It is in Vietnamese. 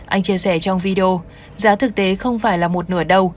anh chia sẻ trong video giá thực tế không phải là một nửa đầu